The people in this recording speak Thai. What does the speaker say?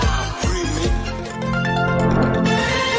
แนะนำ